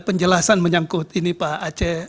penjelasan menyangkut ini pak aceh